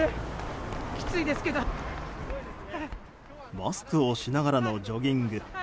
マスクをしながらのジョギング。